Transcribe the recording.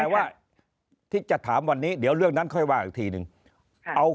แต่ว่าที่จะถามวันนี้เดี๋ยวเรื่องนั้นค่อยว่าอีกทีนึงเอา